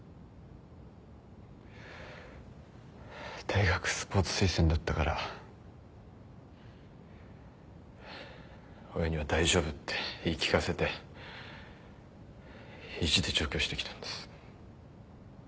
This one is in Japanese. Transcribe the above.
大学スポーツ推薦だったから親には大丈夫って言い聞かせて意地で上京してきたんです。